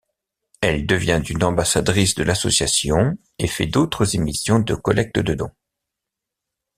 Elle devient une ambassadrice de l'association et fait d'autres émissions de collectes de dons.